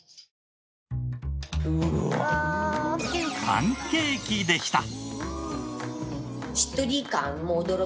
パンケーキでした。